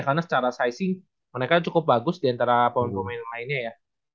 karena secara sizing mereka cukup bagus diantara pemain pemain lainnya ya